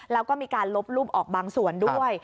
แล้วก็มีการลบรูปออกบางส่วนด้วย